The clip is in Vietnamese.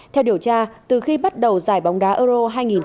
theo điều tra từ khi bắt đầu giải bóng đá euro hai nghìn một mươi sáu